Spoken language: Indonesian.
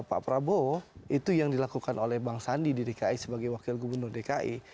pak prabowo itu yang dilakukan oleh bang sandi di dki sebagai wakil gubernur dki